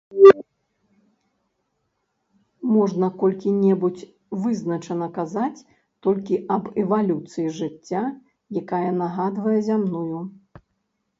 Можна колькі-небудзь вызначана казаць толькі аб эвалюцыі жыцця, якая нагадвае зямную.